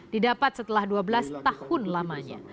didapat setelah dua belas tahun lamanya